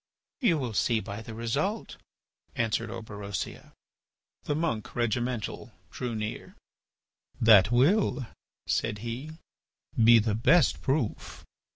"You will see by the result," answered Orberosia. The monk Regimental drew near: "That will," said he, "be the best proof.